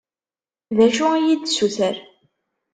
D acu i yi-d-tessuter?